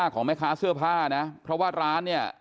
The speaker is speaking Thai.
ของแม่ค้าเสื้อผ้านะเพราะว่าร้านเนี่ย